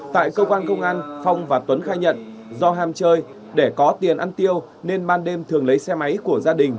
tại cơ quan công an phong và tuấn khai nhận do ham chơi để có tiền ăn tiêu nên ban đêm thường lấy xe máy của gia đình